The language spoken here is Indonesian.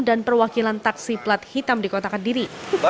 dan perwakilan taksi plat hitam di kota kediri